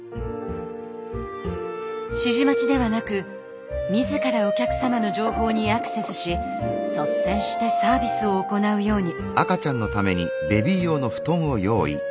指示待ちではなく自らお客様の情報にアクセスし率先してサービスを行うように。